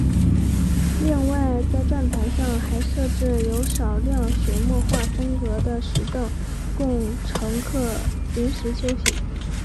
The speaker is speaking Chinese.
另外在站台上还设置有少量水墨画风格的石凳供乘客临时休息。